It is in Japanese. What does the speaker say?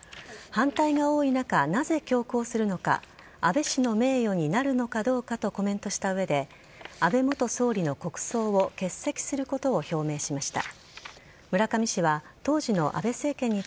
反対が多い中、なぜ強行するのか安倍氏の名誉になるのかどうかとコメントした上で安倍元総理の国葬を欠席することを表明しました。